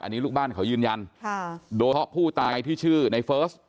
อันนี้ลูกบ้านเขายืนยันโดยเฉพาะผู้ตายที่ชื่อในเฟิร์ส